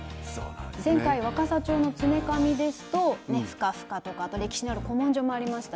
前回若狭町の常神ですとふかふかとかあと歴史のある古文書もありましたし。